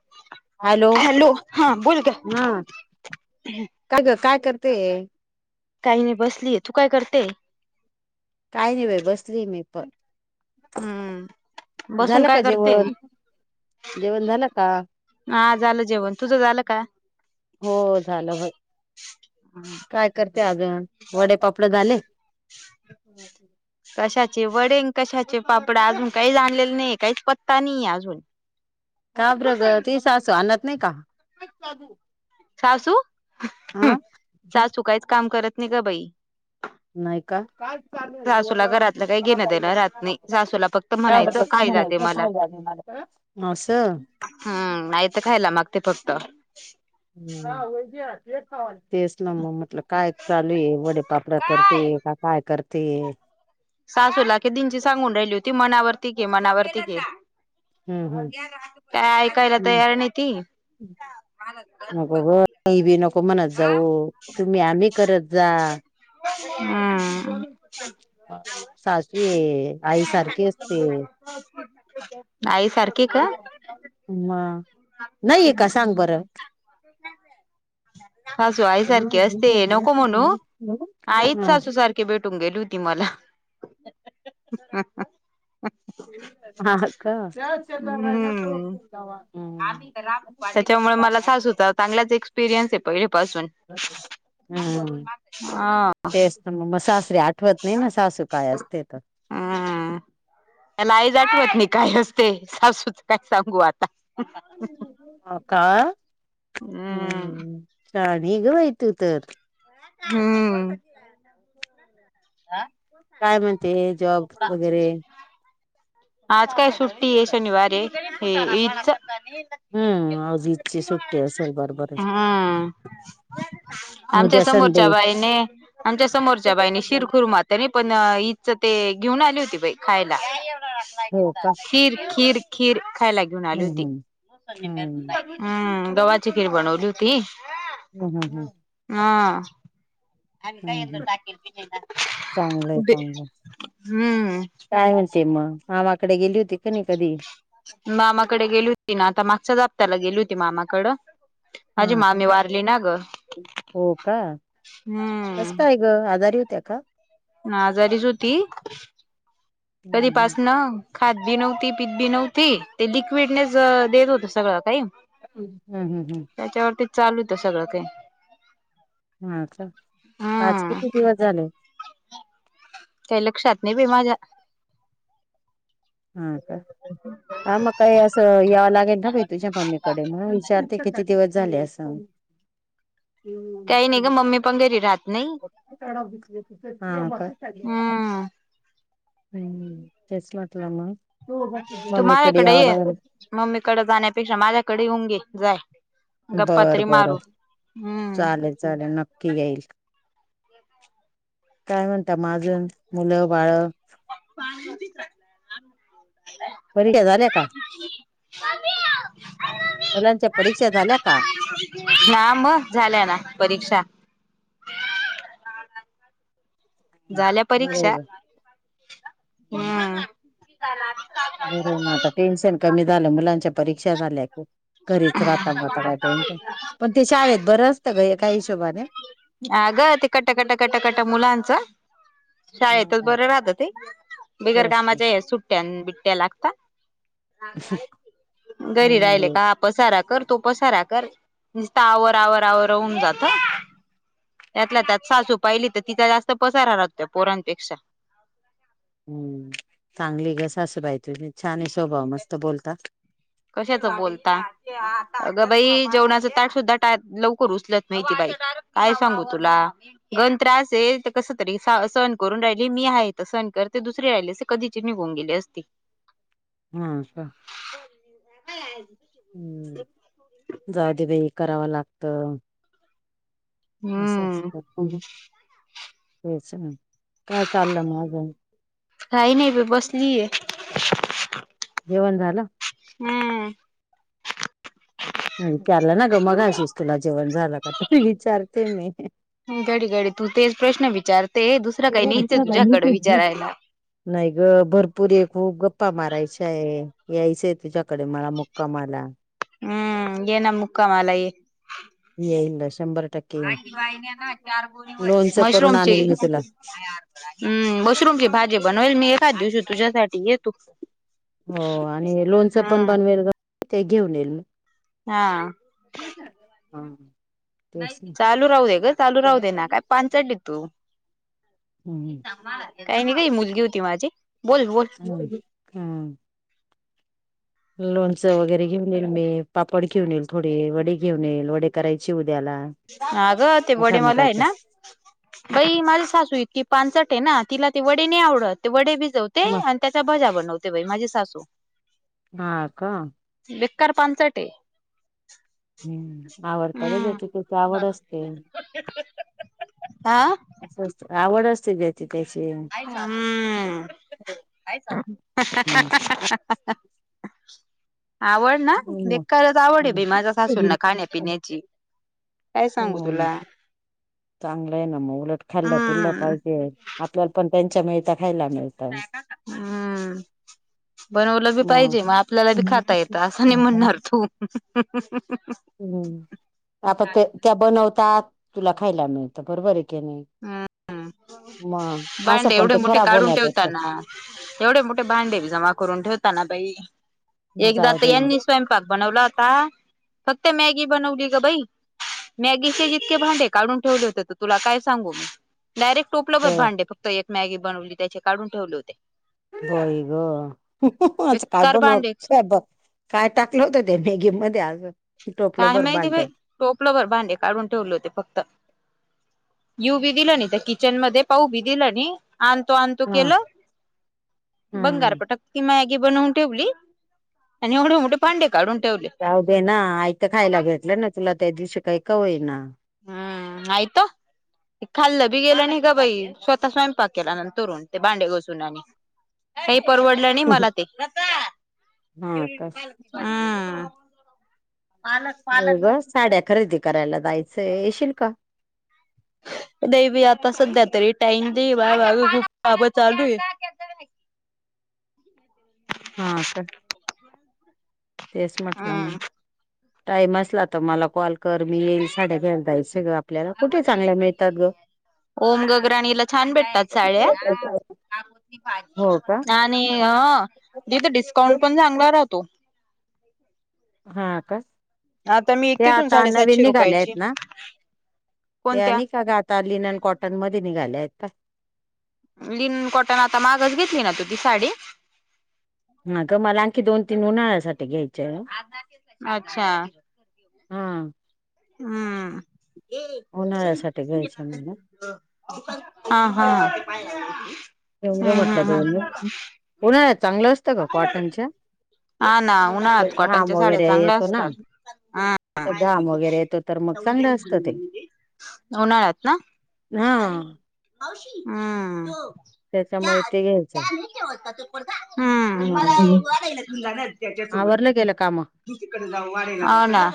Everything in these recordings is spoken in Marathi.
[inaudible] हॅलो,, हा बोल गं. हा काय ग, काय करतेय? काही नाही बसलीय, तू काय करते? काय नाही बाई, बसलेय मी पण. हम्म [inaudible] बसून झालं काय का करते जेवण, जेवण झालं का? हा झालं जेवण, तुझं झालं का? हो झालं बघ, काय करते अजून, वडे पापडे झाले? हम्म. कशाचे वडे? अन् कशाचे पापडा? अजून काही झालेलं नाही आहे काहीच पत्ता नाही अजून. का बरं ग, तुझी सासू आणत नाही का? सासू, हा सासू काहीच काम करत नाही गं बाई. नाही का? [inaudible] सासूला घरातलं काही घेणं देणं राहत नाही सासूला फक्त त्या म्हणायचं खायला दे मला [unintelligible] आसं हम्म, आयत खायला मागते फक्त. हम [inaudible] हो तेच ना मग म्हटल, काय चालू ये वडे पापड करते, का काय करते? सासू ला कीदिंची सांगून राहिली होती, मनावरती घे, मनावरती घे. हम्म [inaudible] काय ऐकायला हम्म तयार नाही ती. नको ग काही ती बी नको म्हणत जाऊ, तुम्ही, आम्ही करत जा. हम्म. [inaudible] सासू हे, आई सारखी असते. [unintelligible] सारखी का हा नाहीये का सांग बरं? [unintelligible] सासू आईसारखे असते नको म्हणू आईचं सासू सार खी भेटून गेली होती मला. [unintelligible] हां का? हम्म [unintelligible] हम्म. त्याच्यामुळे मला सासुचा चांगलाचं एक्सपिरियन्स आहे पहिलेपासून. हम्म हा तेच. मग मग सासरीे आठवत नाही ना सासू काय असते तर? मला आईचं आठवत नाही काय असते, सासूच काय सांगू आता? हो का, हम्म शानीय ग बाई तु तर. हम्म. आ? काय म्हणते जॉब वगैरे? आज काय सुट्टीय शनिवारे हे ईदचं. हम्म, आज ईदची सुट्टी असेल बरोबर, हम्म उद्या आमच्या अस समोरच्या बाईने, आमच्या समोरच्या बाईने शिर कूरमा तेनी पण ईदच ते घेऊन आली होती बाई, खायला. हो का खीर खीर खीर खायला घेऊन आली हम्म होती. हम्म हम्म गव्हाची खीर बनवली होती. हम्म हम्म हम्म. हा. आणि काय येता, चांगलंय चांगलंय [unintelligible] हम्म. काय म्हणते मग मामाकडे गेली होती का नाही कधी? मामाकडे गेली होती ना आता मागच्याच हफ्त्याला गेली होती मामाकडं. माझी हा का मामी वारली ना ग हो का हम्म. [unintelligible] आजारी होत्या का? आजारीचं होती कधी हम्म हम्म पासनं खात बी नव्हती पीत बी नव्हती. ते लिक्विडनेच देत होते सगळं काही. हम्म हम्म हम्म. त्याच्यावरती चालु होतं सगळं काय. हा का आज हम्म किती दिवस झाले? काही लक्षात नाही बी माझ्या. हा का? हा मग काही असं यावं लागेल ना बाई तुझ्या मम्मीकडे, म्हणून विचारते किती दिवस झाले असं. काही नाही ग मम्मी पण घरी राहत नाही [unintelligible] हा का? हम्म हम्म तेच म्हटलं मग, मम्मीकडे यावं लागल. मम्मीकडं जाण्यापेक्षा माझ्याकडे येऊन गे जाय. गप्पा बर तरी बरं मारू हम्म चालेल चालेल नक्की येईल. काय म्हणता मग अजून मुलं बाळं? [unintelligible] परीक्षा झाल्या का? मुलांच्या परीक्षा झाल्या का? हा मग झाल्या ना परीक्षा. झाल्या परीक्षा? बरोबर. हम्म [unintelligible] टेन्शन कमी झालं, मुलांच्या परीक्षा झाल्या कि. करीत राहता मं आता [unintelligible] पण ते शाळेत बरं असतं गं एका हिशोबाने. आगं ते कट, कट, कट मुलांचं. शाळेतच हम्म. बरे राहतं, ते ते बिगर असतं कामाच्या ह्या सूट ट्यां बिट्ट्या लागतात. नाही घरी ना राहिले मिळत का पसारा कर, तो पसारा कर, नुसता आवर आवर आवर होउन जातं. त्यातला त्यात सासू पाहिली तं तिचा जास्त पसरा राहतो पोरांपेक्षा. चांगली गं सासूबाय तुझी. छान ये स्वभाव, मस्त बोलता. गं बई जेवणाचं ताट सुद्धा टा लवकर उचलत नाही ती बाई, काय सांगू तुला. गण त्रास ये, कसं तरी सहन करून राहिली. मी आहे तर सहन करते. दुसरी राहिले कधीची निघून गेली असती, हं का [unintelligible] हूँ जाऊबई हे कराव लागतं. त असं हम्म असतं, हेच ना काय चाललं मं आजून? काही नाही बई बसलीये. जेवण झालं? हम्म विचारलं ना गं मगाशीच तुला, जेवण झालं का? तरी विचारते मी. घडी घडी तू तेच प्रश्न विचारतेये, दुसरं काही नहिचये तुझ्याकडे विचारायला. नाही गं भरपूरये, खूप गप्पा मारायच्याये. यायचंय तुझ्याकडे मला मुक्कामाला. हम्म येना मुक्कामाला ये. येईल शंभर टक्के येईल आजी बाईने ना चार गोळीवर लोनचं करून मशरूमचे आणेल मी तुला हम् मशरूमची भाजी बनवेल मी एखाद दिवशी तुझ्यासाठी ये तू. हो आणि लोणचं पण हम्म बनवेल गं, ते घेऊन येईल. हा हम् [unintelligible] चालू राहू दे गं, चालू राहू दे ना. काय पांचट ए तू. हम्म. [unintelligible] काही नाही गं, ही मुलगी होती माझी, बोल बोल. [unintelligible] हम्म लोणचं वगैरे घेऊन येईल मी. पापड घेऊन येईल थोडे. वडे घेऊन येईल, वडे करायचे उद्याला. अगं ते वडे मला आहे आठामुखाचे ना बई माझी सासू इतकी पांचटये ना. तिला ते वडे नाही आवडत, ते वडे भिजव [unintelligible] अन त्याच्या भजा बनवते बाई माझी सासू. हा का? बेकार पांचट ए. हम्म आवडतं गं, हम्म ज्याची त्याची आवड असतें. हा आवड असते ज्या [unintelligible] [unintelligible] हम्म आवळ ना बेकारच आवड ए बाई हम्म माझ्या सासूना खाण्यापिण्याची. काय सांगू तुला. चांगलं हायं ना मग उलट खाल्लं पिल्ल हम्म पाहिजे आपल्याला पण त्यांच्या मिळता खायला मिळेल. नाही का हम्म- बनवलं बी मग पाहिजे म आपल्याला बी खाता येतं असं नाही म्हणणार हम्म तू [inaudible] हम्म आता ते त्या बनवतात तुला खायला मिळतं बरोबर हे कि नाही. हम्म म असं भांडे पण एवढे ते मोठे खराब काढून होण्यापेक्षा- ठेवताना एवढे मोठे भांडे जमा करून ठेवताना बाई मग एकदा जाऊ तर दे मग यांनी स्वयं पाक बनवला होता, फक्त मॅगी बनवली गं बाई. मॅगीचेच इतके भांडे काढून ठेवले होते तर तुला काय सांगू डायरेक्ट टोपलं भर बर भांडे फक्त एक मॅगी बनवली त्याचे काढून ठेवले होते. होय गं आज काय बेकार भांडे बनवते स्वयंपाक काय टाकलं होतं ते मॅगी मध्ये अजून. काय माहिती बाई टोपलभर भांडे काढून ठेवले होते फक्त. येऊ बी दिल नाही त्या किचनमध्ये पाहू बी दिलं नाही. आणतो आणतो हा केलं बंगार हम्म पटक ती मॅगी बनवून ठेवली. आणि एवढे मोठे भांडे काढून ठेवले जाऊ दे ना ऐक त खायला भेटलं ना तुला त्या दिवशी काही का होई ना. हम्म आयतं ते खाल्लं बी गेलं नाही गं बाई स्वतः स्वयंपाक केला ना तरुण ते भांडे घासून आणि [inaudible] काही परवडलं नाही मला ते. हा का आ पालक होय पालक. ग साड्या खरेदी करायला जायचंय येशील का? नाही बाई आता सध्या तरी टाईम दे बा माझ्या मागे खूप चालूये. हा का तेच म्हटलं हम्म. मग टाईम असला तर मला कॉल कर मी येईल साड्या घ्यायला जायचंय गं. कुठे चांगलं मिळतं गं. ओम गगराणीला छान भेटतात साड्या. हो का आणि हो तिथं डिस्काउंट पण चांगला राहतो. हा का. आता मी एक हे तिथून आता नवीन साडेसातशे निघाले आहेत रुपयाची ना ते कोणत्या आणि का आग त्या लिनन कॉटन मध्ये निघाले आहेत का? लिलन कॉटन आता मागच घेतली ना तू ती साडी. आग मला आणखी दोन तीन उन्हाळ्यासाठी घ्यायच्या आहे. आता घेतल्या आच्छा. हां. हम ये सुन उन्हाळ्यासाठी घ्यायच्या मला. [inaudible] हा हा घेऊन हम घे हम म्हटलं हम दोन दिवस. उन्हाळ्यात चांगलं असतं गं कॉटनच्या हा ना उन्हाळ्यात असं घाम कॉटनच्या साड्या वगैरे चांगल्या येतो ना असतात हां तर घाम वगैरे येतो तर मग आता उदया चांगलं असतं ते [inaudible] उन्हाळ्यात ना. हं. मावशी, हम्म प त्याच्यामुळे ते घ्यायचय. कसे म्हणतात तू पण जा, हम्म मला वाढायला घेऊन जाणार आहेत त्यांच्या सोबत. आवरलं गेलं काम तू तीकडे जा वाढायला हाव ना,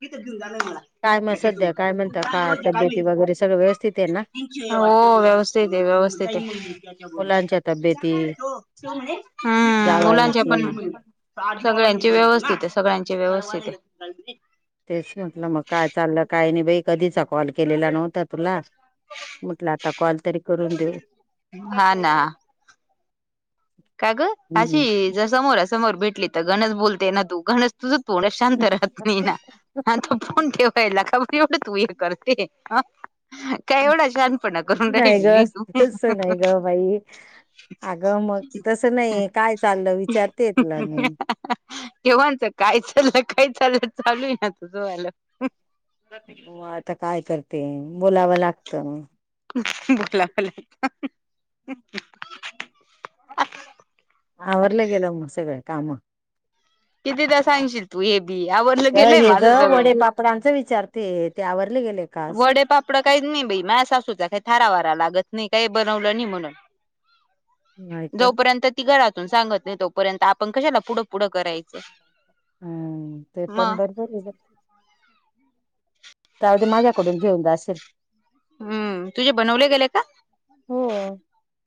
तिथच घेऊन जाणार आहे मला काय मग याच्या सध्या सोबत, काय तू म्हणता का रोटी तब्येती खाल्ली वगैरे सगळं व्यवस्थित आहे ना [inaudible] हो व्यवस्थि स्थित ये व्यवस्थित ये, मुलांच्या तब्येती जाणार आहे, तो म्हणे हा मुलांचे जावायची पण सगळ्यांची व्यवस्थित आहे व्यवस्थित आहे. तेच म्हटलं, मग काय चाललं काय नाही बाई, कधीचा कॉल केलेला नव्हता तुला. म्हटलं आता कॉल तरी करून देऊ, हा करतो. काय ग अशी जर समोरा-समोर भेटली तर गण च बोलते ना, तू गणच तुझ पोरंच शांत राहत नाही ना. आता फोन ठेवायला का बर तू येवढं तु हे करते, आ काय एवढा शहाणपणा करून नाही राहिलीली ग ये तू तस अग मग तसं नाही, काय चाललं विचारतेेय तुला मी. केव्हानच काय चाललय, काय चाललय चालू आहे ना तुझं वाल. म आता काय करते, बोलावं लागतं मंग. बोलावं लागत आवरलं गेलं, मग सगळं काम? कितीदा सांगशील तू हे बी, आवरल गेलंय माझं सगळं. पोरांच विचारतेय, ते आवरले गेलेत? वडे, पापड काहीच नाही बाई, माया सासूचा काही थारावारा लागत नाही, काही बनवलं नयी म्हणून. नाही का जोपर्यंत ती घरातून सांगत नाही, तोपर्यंत आपण कशाला पुढ पुढं करायच, म. बर झालं. जाऊदे, माझ्याकडून घेऊन जाशील. हम्म, तुझे बनवले गेले का? हो,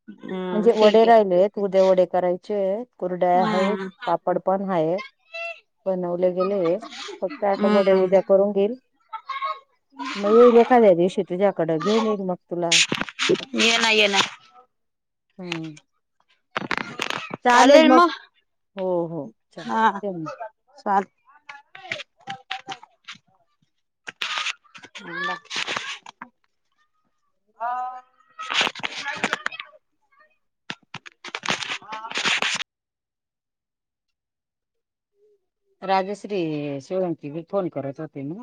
हम्म म्हणजे वडे ठीक आहे राहिलेत उद्या वडे करायचे येत कुरड्या आहेत, हम्म पापड पण आहेत बनवले गेले आहेत, फक्त आता वडे हम्म उद्या करून घेईल मग येईन एखाद्या दिवशी तुझ्याकडं, घेऊन येईन मग तुला. ये ना, ये ना हम्म चालेल मग, हो हो चल हा. ते चालत मंग बाकी हो. [unintelligible] राजश्री ये शिवराम ची, बी फोन करत होते ना.